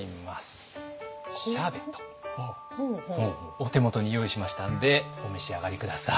お手元に用意しましたんでお召し上がり下さい。